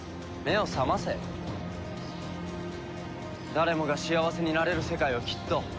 誰もが幸せになれる世界はきっと。